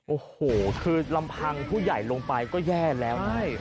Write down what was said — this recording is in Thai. โอ้โหคือลำพังผู้ใหญ่ลงไปก็แย่แล้วไง